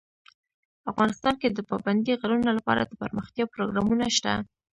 افغانستان کې د پابندی غرونه لپاره دپرمختیا پروګرامونه شته.